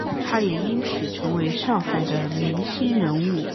他也因此成为上海的明星人物。